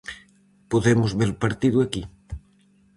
Podemos ver o partido aquí: